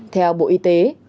theo bộ y tế